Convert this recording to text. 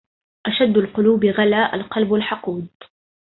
أشدّ القلوب غِلّاً القلب الحقود.